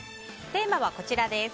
テーマはこちらです。